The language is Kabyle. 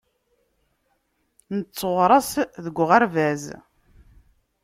Netteɣraṣ deg uɣerbaz.